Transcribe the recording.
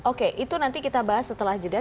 oke itu nanti kita bahas setelah jeda